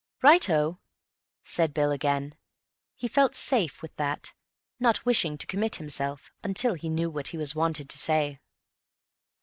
"Right o!" said Bill again. He felt safe with that, not wishing to commit himself until he knew what he was wanted to say.